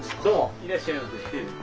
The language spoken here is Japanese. いらっしゃいませ。